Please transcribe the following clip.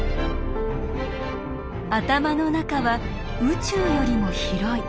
頭の中は宇宙よりも広い。